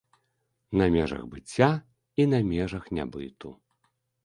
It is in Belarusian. На межах быцця і на межах нябыту.